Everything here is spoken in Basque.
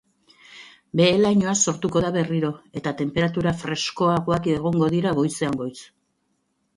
Behe-lainoa sortuko da berriro, eta tenperatura freskoagoak egongo dira goizean goiz.